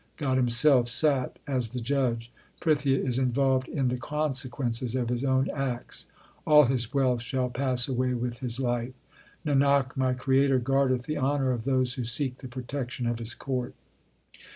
God Himself sat as the judge. Prithia is involved in the consequences of his own acts ; All his wealth shall pass away with his life. Nanak, my Creator guardeth the honour of those Who seek the protection of His court.